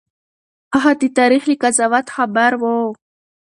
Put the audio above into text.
هغه د تاريخ له قضاوت خبر و.